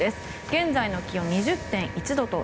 現在の気温は２０．１度。